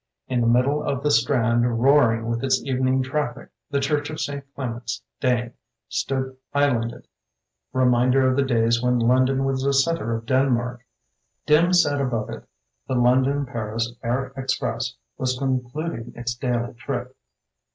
In the middle of the Strand roaring with its evening traffic the Church of St. Clements Dane stood islanded, reminder of the days when London was the centre of Denmark. Dim set above it, the London Paris Air Express was concluding its daily trip.